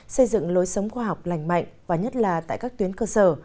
xây dựng lối sống khoa học lành mạnh và nhất là tại các tuyến cơ sở